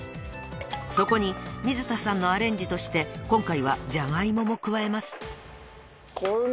［そこに水田さんのアレンジとして今回はジャガイモも加えます］